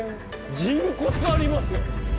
人骨ありますよ！